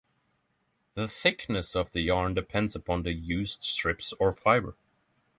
The thickness of the yarn depends upon the used strips or fiber.